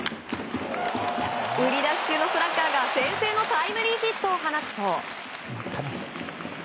売り出し中のスラッガーが先制のタイムリーヒットを放つと。